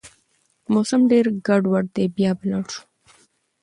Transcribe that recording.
موسم ډېر ګډوډ دی، بيا به لاړ شو